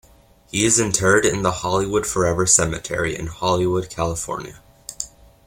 He is interred in the Hollywood Forever Cemetery in Hollywood, California.